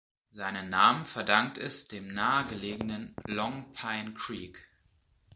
Seinen Namen verdankt es dem nahe gelegenen Long Pine Creek.